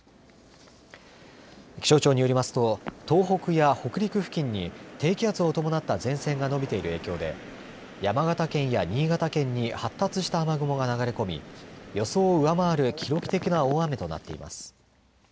気象庁によりますと東北や北陸付近に低気圧を伴った前線が伸びている影響で山形県や新潟県に発達した雨雲が流れ込み予想を上回る記録的な大雨となっています。